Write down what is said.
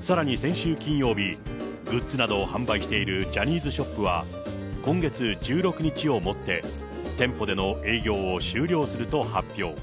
さらに先週金曜日、グッズなどを販売しているジャニーズショップは、今月１６日をもって、店舗での営業を終了すると発表。